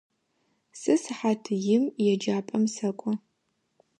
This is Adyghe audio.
Сэ сыхьат им еджапӏэм сэкӏо.